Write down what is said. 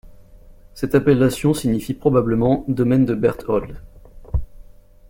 Cette appellation signifie probablement domaine de Berthold.